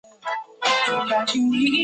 伊拉克的穆斯林属于什叶派和逊尼派。